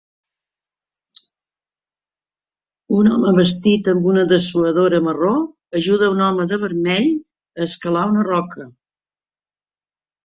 Un home vestit amb una dessuadora marró ajuda a un home de vermell a escalar una roca.